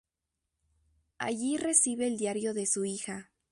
Allí recibe el diario de su hija.